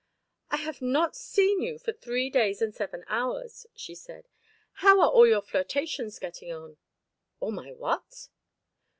"I have not seen you for three days and seven hours," she said. "How are all your flirtations getting on?" "All my what?"